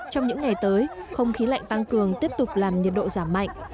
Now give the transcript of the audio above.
trong những ngày tới không khí lạnh tăng cường tiếp tục làm nhiệt độ giảm mạnh